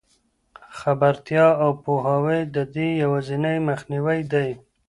خبرتیا او پوهاوی د دې یوازینۍ مخنیوی دی.